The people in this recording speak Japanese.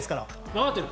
わかってる。